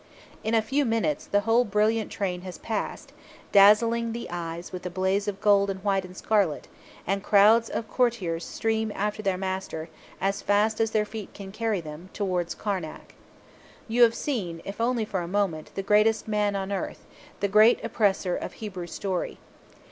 In a few minutes the whole brilliant train has passed, dazzling the eyes with a blaze of gold and white and scarlet; and crowds of courtiers stream after their master, as fast as their feet can carry them, towards Karnak. You have seen, if only for a moment, the greatest man on earth the Great Oppressor of Hebrew story.